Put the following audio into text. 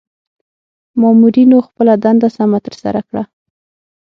مامورنیو خپله دنده سمه ترسره کړه.